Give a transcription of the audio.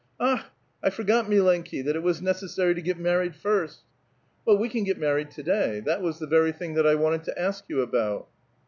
^^Akh! I forgot, milenki^ that it was necessar}' to get mar ried first !"" Well, we can get married to day ; that was the very thing that I wanted to ask you about."